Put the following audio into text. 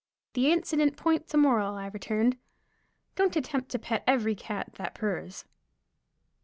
"The incident points a moral," I returned. "Don't attempt to pet every cat that purrs."